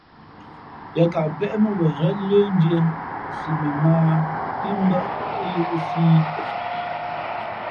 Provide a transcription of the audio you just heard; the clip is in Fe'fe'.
Yáá kαʼ péʼ mά wen ghén lə́ndʉ̄ᾱ si mα mᾱ ā pí mbᾱ á yōʼsī ī.